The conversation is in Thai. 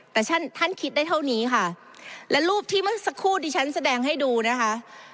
แต่ท่านท่านคิดได้เท่านี้ค่ะและรูปที่เมื่อสักครู่ดิฉันแสดงให้ดูนะคะ